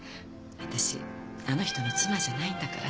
私あの人の妻じゃないんだから。